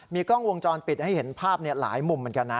กล้องวงจรปิดให้เห็นภาพหลายมุมเหมือนกันนะ